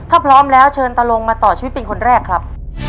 ถ้าพร้อมแล้วเชิญตาลงมาต่อชีวิตเป็นคนแรกครับ